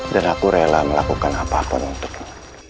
dan aku rela melakukan apapun untukmu